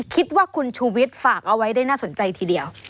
คิดว่าคุณชูวิทย์ฝากเอาไว้ได้น่าสนใจทีเดียว